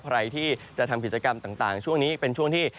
ใครที่จะทำกิจกรรมต่างช่วงนี้เป็นช่วงที่